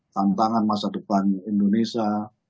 tantangan masa depan indonesia